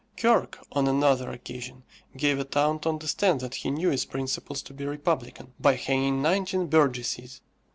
Kirke, on another occasion, gave a town to understand that he knew its principles to be republican, by hanging nineteen burgesses.